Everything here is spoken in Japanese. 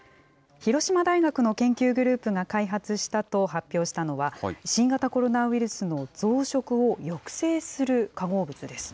広島大学の研究グループが開発したと発表したのは、新型コロナウイルスの増殖を抑制する化合物です。